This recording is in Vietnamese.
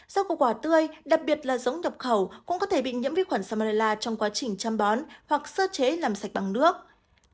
rau củ quả tươi đặc biệt là giống đập khẩu cũng có thể bị nhiễm vi khuẩn salmerla trong quá trình chăm bón hoặc sơ chế làm sạch bằng nước